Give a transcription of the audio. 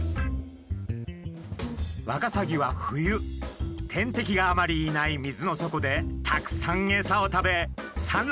ワカサギは冬天敵があまりいない水の底でたくさんエサを食べさん